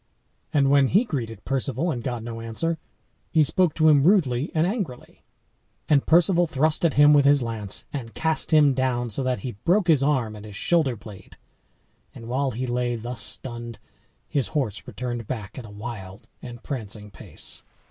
And when he greeted Perceval, and got no answer, he spoke to him rudely and angrily. And Perceval thrust at him with his lance, and cast him down so that he broke his arm and his shoulder blade. And while he lay thus stunned his horse returned back at a wild and prancing pace.